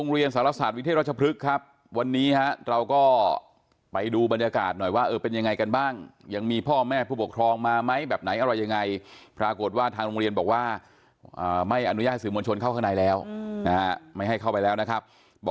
เหมือนกันครับแต่เด็กเขาอาจจะพูดไม่ได้อ่ะไม่รู้ความพูดอย่างเงี้ยครับ